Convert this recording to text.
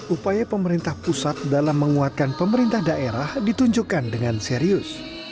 upaya pemerintah pusat dalam menguatkan pemerintah daerah ditunjukkan dengan serius